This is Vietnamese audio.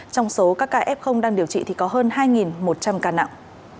trong số các ca f đang điều trị thì có hơn hai một trăm linh ca nặng